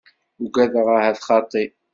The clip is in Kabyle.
Ugadeɣ ahat xaṭi.